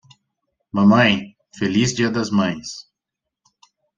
Mamãe, feliz dia das mães!